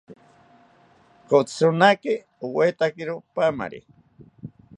Kotzironaki owaetakiro paamari